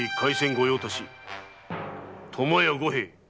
御用達・苫屋五兵衛。